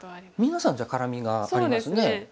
皆さんじゃあ絡みがありますね。